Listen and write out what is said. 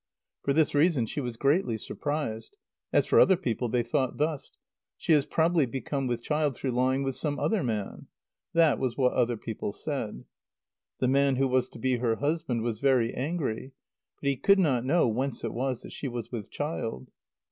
For this reason she was greatly surprised. As for other people, they thought thus: "She has probably become with child through lying with some other man." That was what other people said. The man who was to be her husband was very angry. But he could not know whence it was that she was with child.